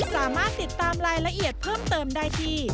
สามารถติดตามรายละเอียดเพิ่มเติมได้ที่